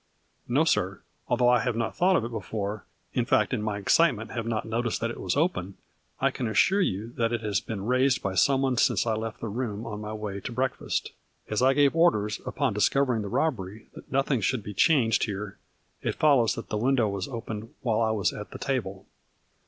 No, sir, al though I have not thought of it before, in fact in my excitement have not noticed that it was 32 A FLURRY IN DIAMONDS. open, I can assure you that it has been raised by some one since I left the room on my way to breakfast. As I gave orders, upon discover ing the robbery, that nothing should be changed here, it follows that the window was opened while I was at the table.